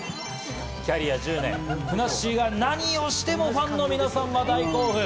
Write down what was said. キャリア１０年、ふなっしーが何をしてもファンの皆さんは大興奮。